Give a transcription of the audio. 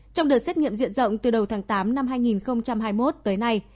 trong đợt xét nghiệm diện rộng từ đầu tháng tám năm hai nghìn hai mươi một tới nay